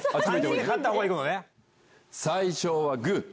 最初はグ！